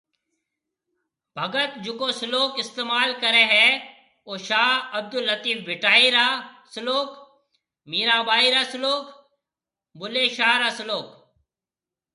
ڀگت جڪو سلوڪ استعمال ڪري هي او شاه عبدلطيف ڀٽائي رِا سلوڪ، ميران ٻائي را سلوڪ، بُلي شاه را سلوڪ